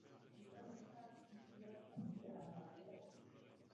Kraje jsou jednotkami státní správy.